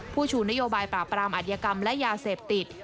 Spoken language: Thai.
ชูนโยบายปราบปรามอัธยกรรมและยาเสพติด